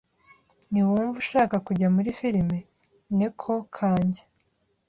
Ntiwumva ushaka kujya muri firime? (NekoKanjya)